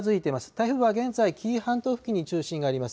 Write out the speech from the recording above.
台風は現在、紀伊半島付近に中心があります。